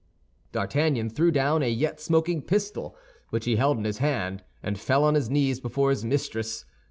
D'Artagnan threw down a yet smoking pistol which he held in his hand, and fell on his knees before his mistress.